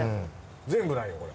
全部ないよこれ。